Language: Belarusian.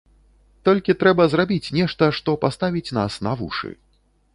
Толькі трэба зрабіць нешта, што паставіць нас на вушы.